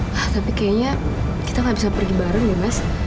hah tapi kayaknya kita gak bisa pergi bareng ya mas